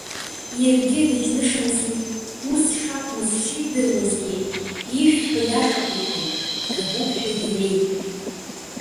Иаргьы дыџьнышмзи, ус шакәмыз шидыруазгьы, ишәҳәо иашоуп иҳәеит, ҭабуп ҳәагьы реимҳәеит.